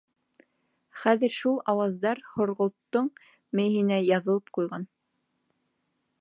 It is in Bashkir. Хәҙер шул ауаздар һорғолттоң мейеһенә яҙылып ҡуйған.